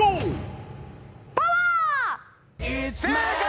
正解！